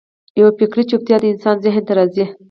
یوه فکري چوپتیا د انسان ذهن ته راځي.